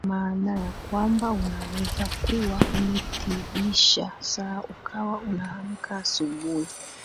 maana ya kwamba unawezakuwa umetibisha saa ukawa unaamka asubuhi